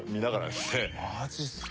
マジっすか。